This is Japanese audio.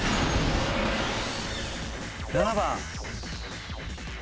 ７番。